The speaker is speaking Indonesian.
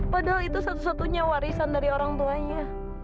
padahal itu satu satunya warisan dari orang tuanya